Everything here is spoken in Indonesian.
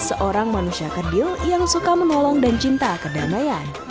seorang manusia kerdil yang suka menolong dan cinta kedamaian